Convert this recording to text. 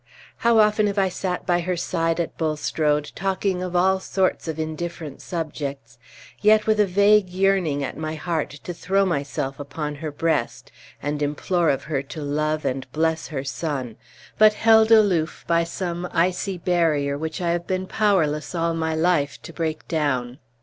How often have I sat by her side at Bulstrode, talking of all sorts of indifferent subjects, yet with a vague yearning at my heart to throw myself upon her breast, and implore of her to love and bless her son, but held aloof by some icy barrier that I have been powerless all my life to break down.